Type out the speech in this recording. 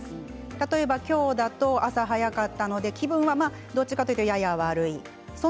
例えば今日だと朝早かったので気分はどちらかというとやや悪い。